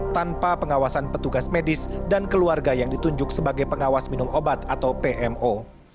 tanpa pengawasan petugas medis dan keluarga yang ditunjuk sebagai pengawas minum obat atau pmo